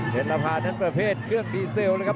เจ๊ละพานั่นประเภทเครื่องดีเซลล์เลยครับ